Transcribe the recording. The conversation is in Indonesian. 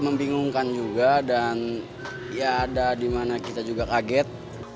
membingungkan juga dan ya ada dimana kita juga kaget